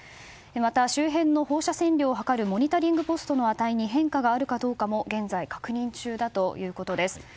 また、周辺の放射線量を図るモニタリングポストの値に変化があるかどうかも現在、確認中だということです。